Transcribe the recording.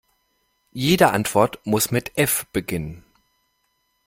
Jede Antwort muss mit F beginnen.